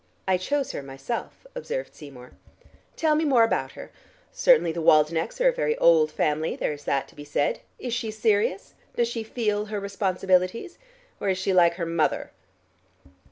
"I chose her myself," observed Seymour. "Tell me more about her. Certainly the Waldenechs are a very old family, there is that to be said. Is she serious? Does she feel her responsibilities? Or is she like her mother?"